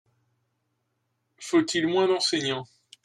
Faut-il moins d’enseignants ?